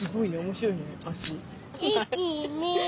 面白いね足。